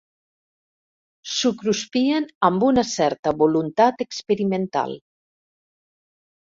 S'ho cruspien amb una certa voluntat experimental.